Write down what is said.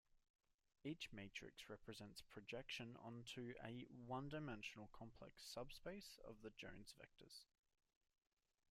Each matrix represents projection onto a one-dimensional complex subspace of the Jones vectors.